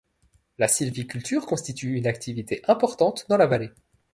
La sylviculture constitue une activité importante dans la vallée.